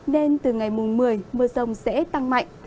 nên từ ngày mùng một mươi mưa rông sẽ tăng mạnh